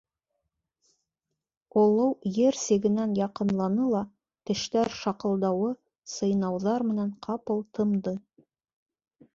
Олоу ер сигенән яҡынланы ла тештәр шаҡылдауы, сыйнауҙар менән ҡапыл тымды.